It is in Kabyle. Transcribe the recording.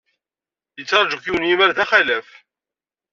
Yetrraju-k yiwen yimal d axlaf.